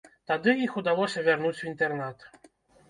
Тады іх удалося вярнуць ў інтэрнат.